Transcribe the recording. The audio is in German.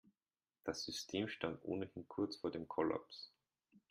Das System stand ohnehin kurz vor dem Kollaps.